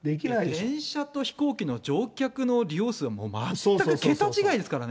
電車と飛行機の乗客の利用数が全く桁違いですからね。